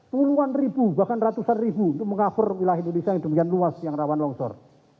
puluhan ribu bahkan ratusan ribu untuk meng cover wilayah indonesia yang demikian luas yang rawan longsor